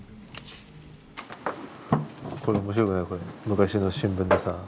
昔の新聞でさ。